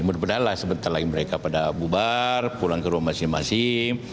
berbeda lah sebentar lagi mereka pada bubar pulang ke rumah masing masing